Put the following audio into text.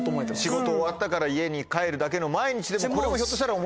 仕事終わったから家に帰るだけの毎日でもこれもひょっとしたら。